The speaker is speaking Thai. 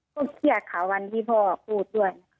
ก็เครียดค่ะวันที่พ่อพูดด้วย